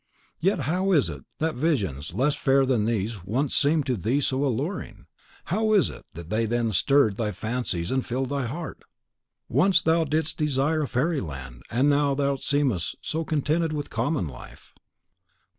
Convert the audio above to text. '" "Yet, how is it that visions less fair than these once seemed to thee so alluring? How is it that they then stirred thy fancies and filled thy heart? Once thou didst desire a fairy land, and now thou seemest so contented with common life."